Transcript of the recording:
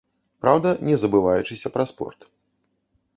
Праўда, не забываючыся пра спорт.